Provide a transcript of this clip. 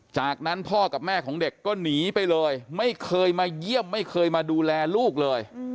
จากนั้นพ่อกับแม่ของเด็กก็หนีไปเลยไม่เคยมาเยี่ยมไม่เคยมาดูแลลูกเลย